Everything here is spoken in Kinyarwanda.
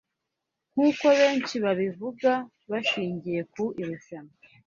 nk’uko benshi babivuga bashingiye ku irushanwa